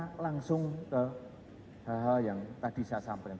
kita langsung ke hal hal yang tadi saya sampaikan